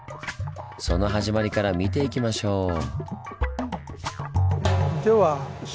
その始まりから見ていきましょう。